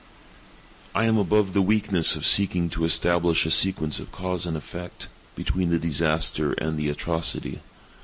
I am above the weakness of seeking to establish a sequence of cause and effect, between the disaster and the atrocity.